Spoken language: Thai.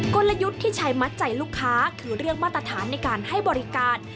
กลยุทธ์ที่ใช้มัดใจลูกค้าคือเรื่องมาตรฐานในการให้บริการ